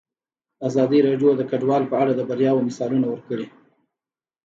ازادي راډیو د کډوال په اړه د بریاوو مثالونه ورکړي.